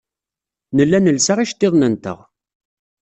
Nella nelsa iceḍḍiḍen-nteɣ.